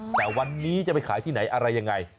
แต่วันนี้จะไปขายที่ไหนอะไรยังไง